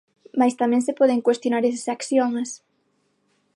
Mais tamén se poden cuestionar eses axiomas.